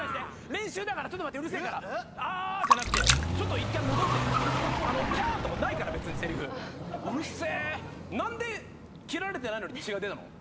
練習だからちょっと待ってうるせえから「ああ」じゃなくてちょっと一回戻ってあの「キャー」んとこないから別にセリフうるせえ何で斬られてないのに血が出たの？